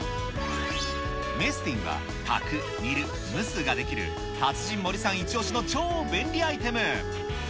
メスティンは炊く・煮る・蒸すができる、達人森さん一押しの超便利アイテム。